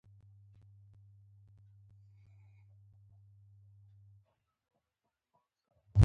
د شروډنګر پیشو په یو وخت کې ژوندۍ او مړه وي.